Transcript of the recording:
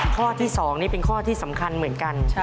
ข้อที่๒นี่เป็นข้อที่สำคัญเหมือนกัน